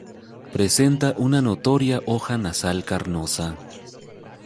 Presenta una notoria hoja nasal carnosa.